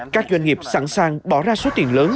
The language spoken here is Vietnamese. các doanh nghiệp sẵn sàng bỏ ra số tiền lớn